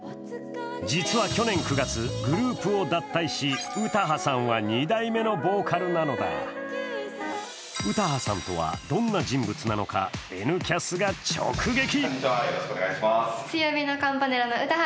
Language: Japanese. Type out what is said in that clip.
実は去年９月、グループを脱退し、詩羽さんは２代目のボーカルなのだ詩羽さんとはどんな人物なのか、「Ｎキャス」が直撃。